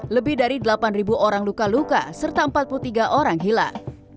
lebih dari delapan orang luka luka serta empat puluh tiga orang hilang